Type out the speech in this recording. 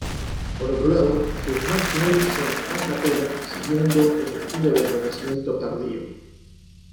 Por otro lado, sus madrigales son "a cappella", siguiendo el estilo del Renacimiento tardío.